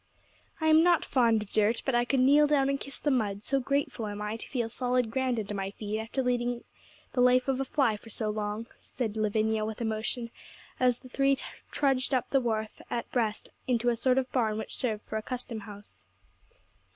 'I am not fond of dirt, but I could kneel down and kiss this mud, so grateful am I to feel solid ground under my feet, after leading the life of a fly for so long,' said Lavinia with emotion, as the three trudged up the wharf at Brest into a sort of barn which served for a custom house.